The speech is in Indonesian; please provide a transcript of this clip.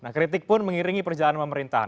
nah kritik pun mengiringi perjalanan pemerintahan